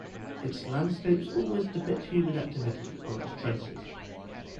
Its landscapes always depict human activity or its traces.